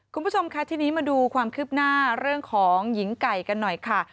คุณผู้ชมค่ะทีนี้มาดูความคืบหน้าเรื่องของหญิงไก่กันหน่อยค่ะ